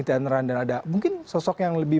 ee dan ada mungkin sosok yang lebih